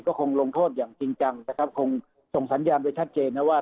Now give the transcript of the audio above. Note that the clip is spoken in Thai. ก็คงลงโทษอย่างจริงจังนะครับคงส่งสัญญาณไปชัดเจนนะว่า